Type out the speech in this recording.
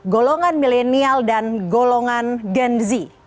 golongan milenial dan golongan genzi